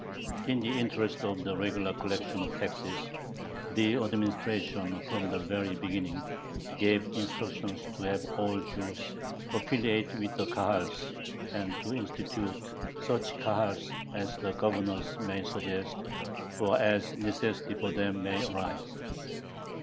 In the interest of the regular collection of taxes, the administration from the very beginning gave instructions "to have all Jews affiliate with the Kahals and to institute such [Kahals] as the governors may suggest or as necessity for them may arise."